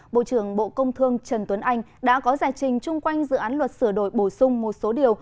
bộ trưởng bộ công thương trần tuấn anh đã có giải trình chung quanh dự án luật sửa đổi bổ sung một số điều